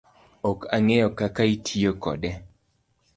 Ok ang'eyo kaka itiyo kode